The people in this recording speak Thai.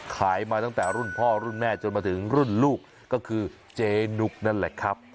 ขายมาตั้งแต่รุ่นพ่อรุ่นแม่จนมาถึงรุ่นลูกก็คือเจนุกนั่นแหละครับ